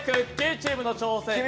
チームの挑戦。